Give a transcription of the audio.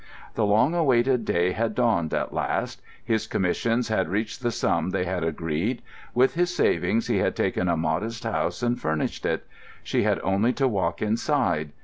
The long awaited day had dawned at last. His commissions had reached the sum they had agreed; with his savings he had taken a modest house and furnished it. She had only to walk inside.